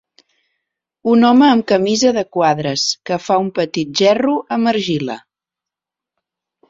Un home amb camisa de quadres, que fa un petit gerro amb argila.